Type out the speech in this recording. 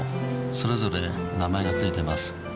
それぞれ名前が付いています。